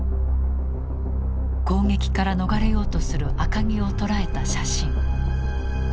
攻撃から逃れようとする赤城を捉えた写真。